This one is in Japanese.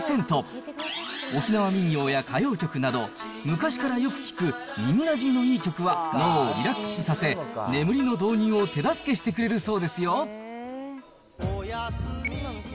沖縄民謡や歌謡曲など、昔からよく聴く耳なじみのいい曲は脳をリラックスさせ、眠りの導入を手助けしてくれるそうですよ。